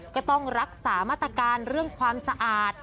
ก็ต้องรักษามาตรการเรื่องความสะอาด